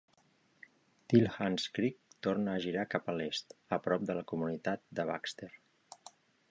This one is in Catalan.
Tilhance Creek torna a girar cap a l"est, a prop de la comunitat de Baxter.